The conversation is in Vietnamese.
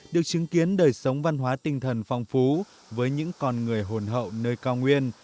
được chứng kiến đời sống văn hóa tinh thần phong phú với những con người hồn hậu nơi cao nguyên